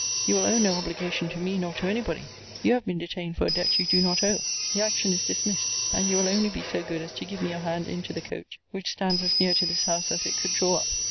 You will owe no obligation to me, nor to any body. You have been detained for a debt you do not owe. The action is dismissed; and you will only be so good as to give me your hand into the coach, which stands as near to this house as it could draw up.